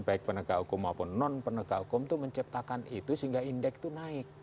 baik penegak hukum maupun non penegak hukum itu menciptakan itu sehingga indeks itu naik